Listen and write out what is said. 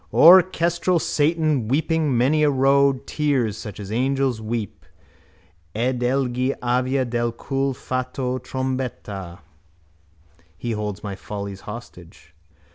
Orchestral Satan, weeping many a rood Tears such as angels weep. Ed egli avea del cul fatto trombetta. He holds my follies hostage.